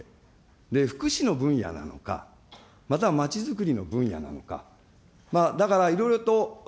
福祉の分野なのか、または町づくりの分野なのか。